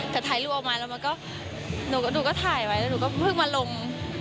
แต่ถ่ายรูปออกมาแล้วมันก็หนูก็ถ่ายไว้แล้วหนูก็เพิ่งมาลง